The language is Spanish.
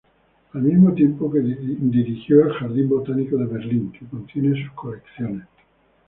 Al mismo tiempo dirigió el Jardín Botánico de Berlín, que contiene su colecciones.